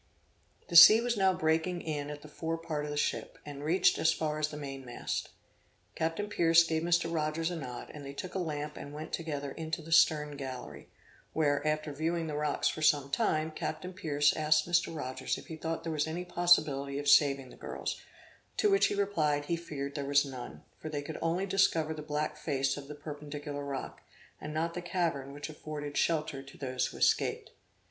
The sea was now breaking in at the fore part of the ship, and reached as far as the mainmast. Captain Pierce gave Mr. Rogers a nod, and they took a lamp and went together into the stern gallery, where, after viewing the rocks for some time, Captain Pierce asked Mr. Rogers if he thought there was any possibility of saving the girls; to which he replied, he feared there was none; for they could only discover the black face of the perpendicular rock, and not the cavern which afforded shelter to those who escaped.